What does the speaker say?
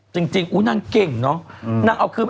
จริงอุ๊ยนางเก่งเนอะ